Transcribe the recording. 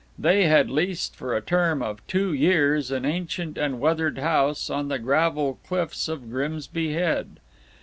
They had leased for a term of two years an ancient and weathered house on the gravel cliffs of Grimsby Head.